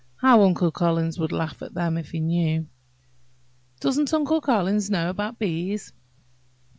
How Uncle Collins would laugh at them, if he knew!" "Doesn't Uncle Collins know about bees?"